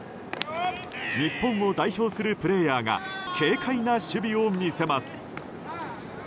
日本を代表するプレーヤーが軽快な守備を見せます。